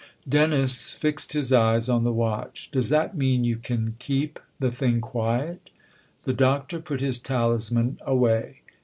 Dennis fixed his eyes on the watch. " Does that mean you can keep the thing quiet ?" The Doctor put his talisman away.